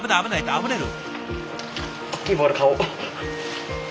あふれる。